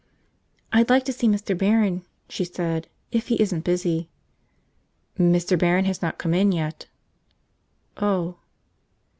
"I'd like to see Mr. Barron," she said. "If he isn't busy." "Mr. Barron has not come in yet." "Oh."